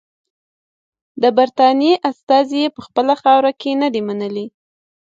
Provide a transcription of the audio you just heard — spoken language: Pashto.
د برټانیې استازي یې په خپله خاوره کې نه دي منلي.